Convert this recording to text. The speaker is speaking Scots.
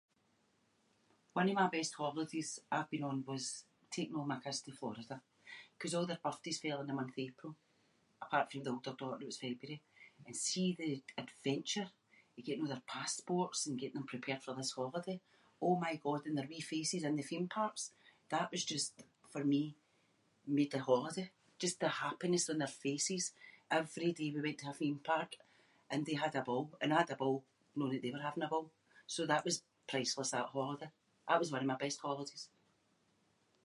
One of my best holidays I’ve been on was taking all my kids to Florida. ‘Cause all their birthdays fell in the month of April, apart fae the older daughter that was February. And see the ad-adventure of getting a' their passports and getting them prepared for this holiday- oh my god and their wee faces in the theme parks, that was just, for me, made the holiday. Just the happiness on their faces. Every day we went to a theme park and they had a ball, and I had a ball knowing that they were having a ball. So that was priceless that holiday. That was one of my best holidays.